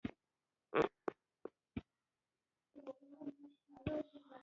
بوتل د ماشومو شیدو لپاره ځانګړی ډول لري.